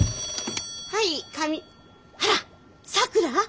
はい神あらっさくら？